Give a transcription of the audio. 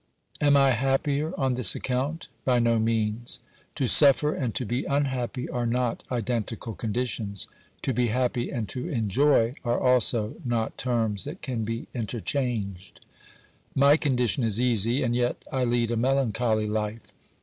Am I happier on this account ? By no means ! To suffer and to be unhappy are not identical conditions ; to be happy and to enjoy arc also not terms that can be interchanged. My condition is easy, and yet I lead a melancholy life.